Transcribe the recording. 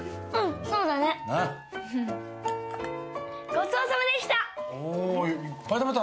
ごちそうさまでした。